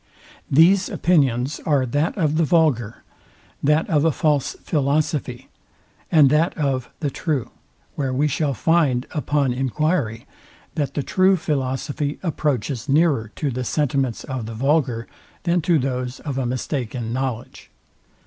These opinions are that of the vulgar, that of a false philosophy, and that of the true; where we shall find upon enquiry, that the true philosophy approaches nearer to the sentiments of the vulgar, than to those of a mistaken knowledge.